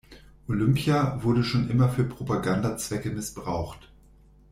Olympia wurde schon immer für Propagandazwecke missbraucht.